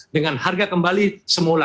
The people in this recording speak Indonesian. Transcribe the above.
dengan harga kembali semula